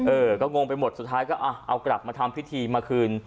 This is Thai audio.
เออก็งงไปหมดสุดท้ายก็เอากลับมาทำพิธีมาคืน